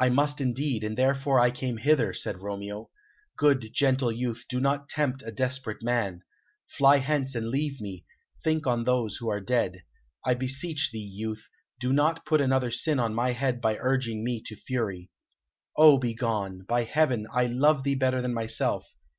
"I must indeed, and therefore came I hither," said Romeo. "Good, gentle youth, do not tempt a desperate man. Fly hence and leave me; think on those who are dead. I beseech thee, youth, do not put another sin on my head by urging me to fury. Oh, begone! By heaven, I love thee better than myself.